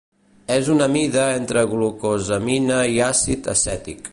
És una amida entre glucosamina i àcid acètic.